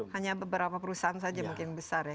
hanya beberapa perusahaan saja mungkin besar ya